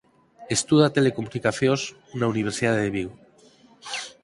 Estuda Telecomunicacións na Universidade de Vigo.